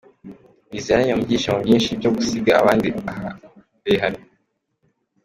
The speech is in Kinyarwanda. Biziyaremye mu byishimo byinshi byo gusiga abandi aharehare.